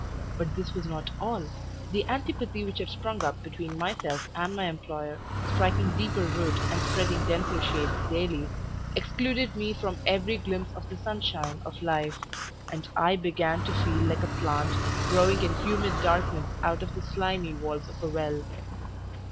But this was not all; the antipathy which had sprung up between myself and my employer striking deeper root and spreading denser shade daily, excluded me from every glimpse of the sunshine of life; and I began to feel like a plant growing in humid darkness out of the slimy walls of a well.